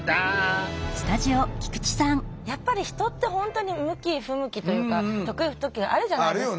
やっぱり人って本当に向き不向きというか得意不得意があるじゃないですか。